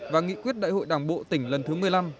và nghị quyết đại hội đảng bộ tỉnh lần thứ một mươi năm